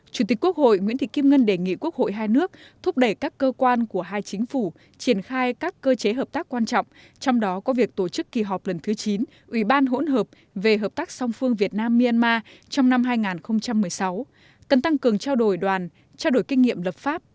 chủ tịch quốc hội nguyễn thị kim ngân đề nghị quốc hội hai nước thúc đẩy các cơ quan của hai chính phủ triển khai các cơ chế hợp tác quan trọng trong đó có việc tổ chức kỳ họp lần thứ chín ủy ban hỗn hợp về hợp tác song phương việt nam myanmar trong năm hai nghìn một mươi sáu cần tăng cường trao đổi đoàn trao đổi kinh nghiệm lập pháp